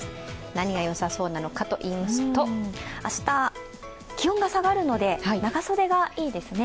何がよさそうなのかといいますと明日、気温が下がるので長袖がいいですね。